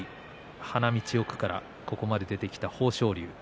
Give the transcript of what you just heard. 花道奥からここまで出てきた豊昇龍